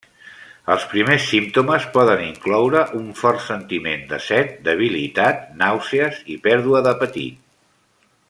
Els primers símptomes poden incloure un fort sentiment de set, debilitat, nàusees i pèrdua d'apetit.